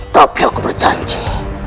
tapi aku berjanji